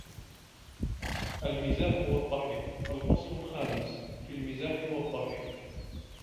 الْمِزَاحُ وَالضَّحِكُ الْفَصْلُ الْخَامِسُ فِي الْمِزَاحِ وَالضَّحِكِ